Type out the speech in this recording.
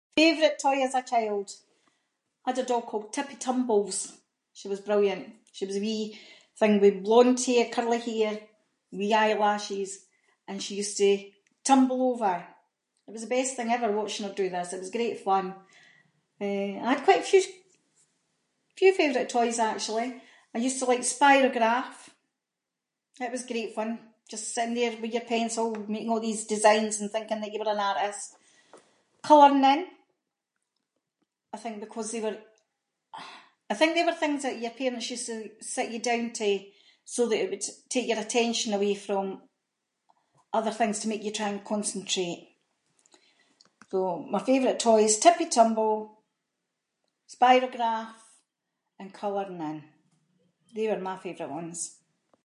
Favourite toy as a child, had a doll called Tippy Tumbles, she was brilliant, she was a wee thing with blonde hair, curly hair, wee eyelashes, and she used to tumble over, it was the best thing ever watching her do this, it was great fun, eh, I had quite a few- a few favourite toys actually. I used to like Spirograph, it was great fun, just sitting there with your pencil, making a’ of these designs, and thinking that you were an artist. Colouring in, I think because they were- I think they were things that your parents used to sit you down to, so that it would take your attention away from other things, to make you try and concentrate. So, my favourite toys: Tippy Tumble, Spirograph, and colouring in, they were my favourite ones.